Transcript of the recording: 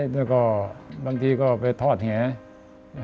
แล้วก็บางทีก็ไปทอดแห